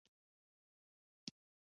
دا د سیریلیون سیلکشن ټرست په نامه وو.